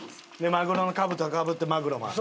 マグロのかぶとをかぶってマグロマン。